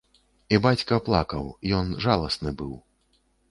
І бацька плакаў, ён жаласны быў.